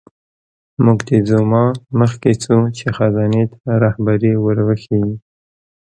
موکتیزوما مخکې شو چې خزانې ته رهبري ور وښیي.